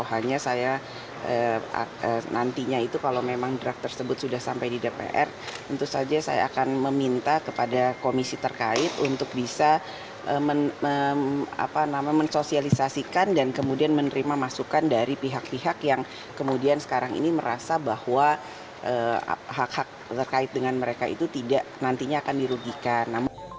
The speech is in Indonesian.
hanya saya nantinya itu kalau memang draft tersebut sudah sampai di dpr tentu saja saya akan meminta kepada komisi terkait untuk bisa mensosialisasikan dan kemudian menerima masukan dari pihak pihak yang kemudian sekarang ini merasa bahwa hak hak terkait dengan mereka itu tidak nantinya akan dirugikan